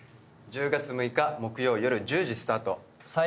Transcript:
１０月６日木曜夜１０時スタート。